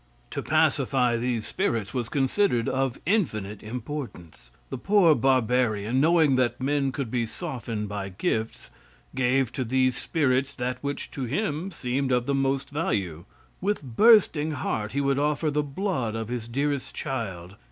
To pacify these spirits was considered of infinite importance. The poor barbarian, knowing that men could be softened by gifts, gave to these spirits that which to him seemed of the most value. With bursting heart he would offer the blood of his dearest child.